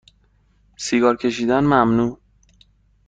سیگار کشیدن ممنوع